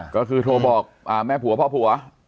ก็คือโทรบอกแม่ผัวพ่อผัว